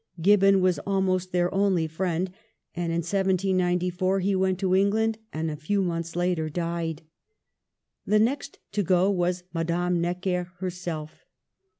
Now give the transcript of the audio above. Gibbon was almost their only friend; and in 1794 he went to England, and a few months later died. The next to go was Madame Necker herself.